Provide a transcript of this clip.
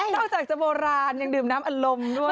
นอกจากจะโบราณยังดื่มน้ำอารมณ์ด้วย